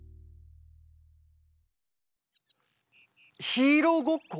ヒーローごっこ？